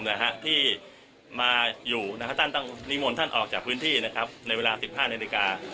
จะต้องออกจากพื้นที่ภายใน๑๕นาฬิกา